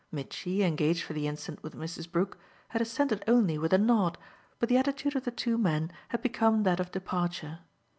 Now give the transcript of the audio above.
Mitchy, engaged for the instant with Mrs. Brook, had assented only with a nod, but the attitude of the two men had become that of departure.